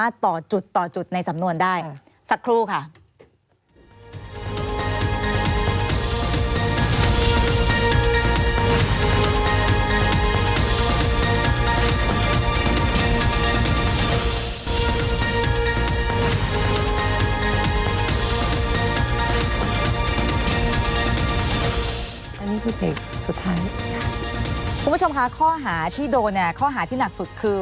อันนี้คือข้อหาที่โดนเนี่ยข้อหาที่หนักสุดคือ